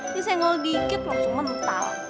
ini senggol dikit langsung mental